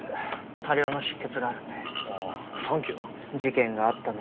多量の出血があるので。